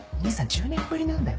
１０年ぶりなんだよ